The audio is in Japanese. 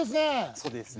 そうですね。